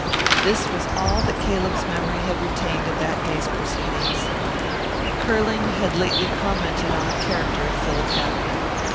This was all that Caleb's memory had retained of that day's proceedings. Curling had lately commented on the character of Philip Hadwin.